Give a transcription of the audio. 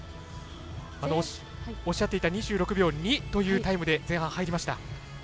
おっしゃっていた２６秒２というタイムで前半、入りました。